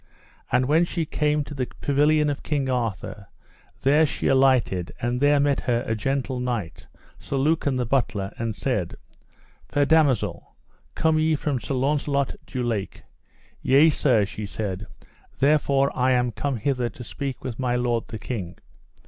And when she came to the pavilion of King Arthur, there she alighted; and there met her a gentle knight, Sir Lucan the Butler, and said: Fair damosel, come ye from Sir Launcelot du Lake? Yea sir, she said, therefore I come hither to speak with my lord the king.